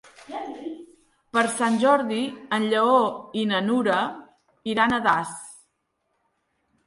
Per Sant Jordi en Lleó i na Nura iran a Das.